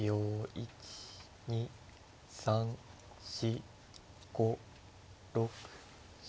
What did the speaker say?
１２３４５６７。